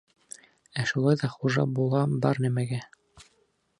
Ә шулай ҙа хужа була бар нәмәгә.